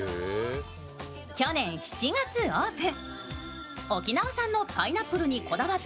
去年７月オープン。